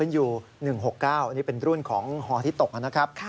อันนี้เป็นรุ่นของฮอที่ตกนะครับ